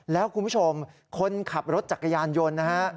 แล้วคุณผู้ชมคนขับรถจักรยานยนต์นะฮะ